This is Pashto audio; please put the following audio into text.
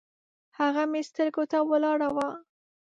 هغه مې سترګو ته ولاړه وه